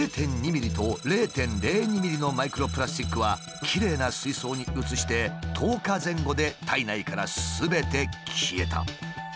０．２ｍｍと０．０２ｍｍのマイクロプラスチックはきれいな水槽に移して１０日前後で体内からすべて消えた。